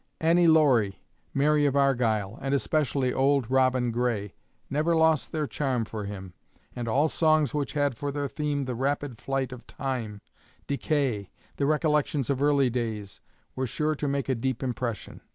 'Annie Laurie,' 'Mary of Argyle,' and especially 'Auld Robin Gray,' never lost their charm for him; and all songs which had for their theme the rapid flight of time, decay, the recollections of early days, were sure to make a deep impression.